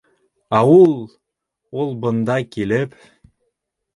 Ә ул... ул бында килеп...